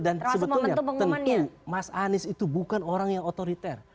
dan sebetulnya tentu mas anies itu bukan orang yang otoriter